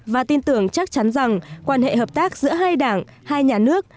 và tin tưởng chắc chắn rằng quan hệ hợp tác giữa hai đảng hai nhà nước